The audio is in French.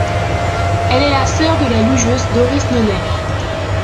Elle est la sœur de la lugeuse Doris Neuner.